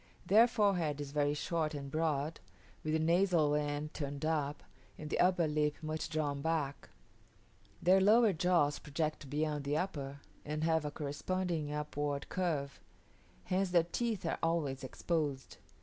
Their forehead is very short and broad, with the nasal end turned up, and the upper lip much drawn back; their lower jaws project beyond the upper, and have a corresponding upward curve; hence their teeth are always exposed.